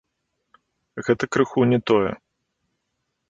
Гэта крыху не тое.